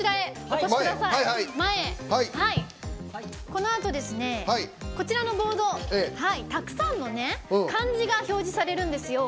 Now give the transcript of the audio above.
このあと、こちらのボードたくさんの漢字が表示されるんですよ。